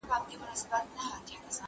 زه زم کور ته